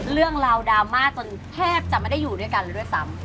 เรื่องราวดราม่าจนแทบจะไม่ได้อยู่ด้วยกันเลยด้วยซ้ำ